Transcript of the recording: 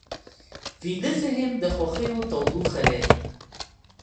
ویده ذهن د خوښیو تودوخه لري